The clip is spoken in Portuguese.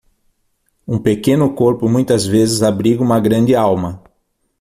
Um pequeno corpo muitas vezes abriga uma grande alma.